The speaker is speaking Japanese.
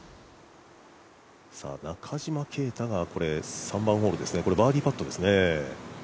中島啓太が３番ホールこれ、バーディーパットですね。